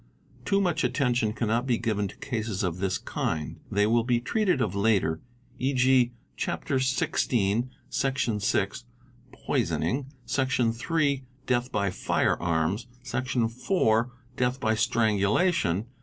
Too much attention cannot be given to cases of this kind; they 5 will be treated of later, e.g., Chapter xvi, Section vi, "' Poisoning" : Section iii, "' Death by firearms '': Section iv, 'Death by strangulation."